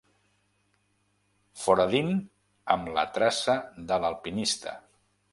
Foradin amb la traça de l'alpinista.